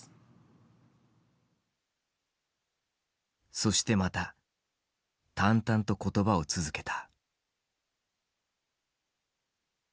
そしてまた淡々と言葉を続けた。